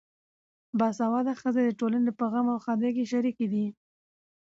باسواده ښځې د ټولنې په غم او ښادۍ کې شریکې دي.